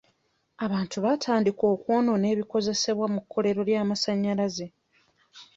Abantu baatandika okwonoona ebikozesebwa ku kkolero ly'amasanyalaze.